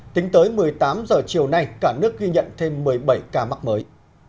tính tới một mươi tám h chiều nay cả nước ghi nhận thêm một mươi bảy ca mắc mới